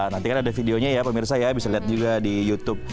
nanti kan ada videonya ya pemirsa ya bisa lihat juga di youtube